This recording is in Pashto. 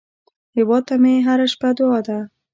هیواد ته مې هره شپه دعا ده